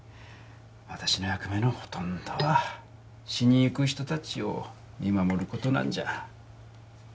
私の役目のほとんどは死にゆく人達を見守ることなんじゃ